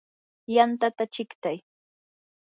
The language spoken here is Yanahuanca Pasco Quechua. yantata chiqtay.